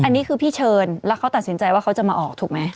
อันนี้คือพี่เชิญแล้วเขาตัดสินใจว่าเขาจะมาออกถูกไหม